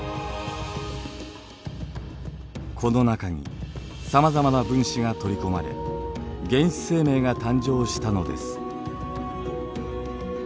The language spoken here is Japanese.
この中にさまざまな分子が取り込まれ原始生命が誕生したのです。